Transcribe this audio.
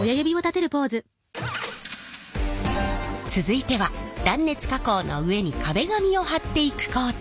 続いては断熱加工の上に壁紙を貼っていく工程。